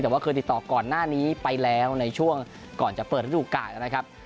แต่ว่าเคยติดต่อก่อนหน้านี้ไปแล้วในช่วงก่อนจะเปิดฤดูกาลนะครับ